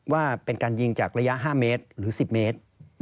ว่าเป็นการยิงจากระยะ๕เมตรหรือ๑๐เมตร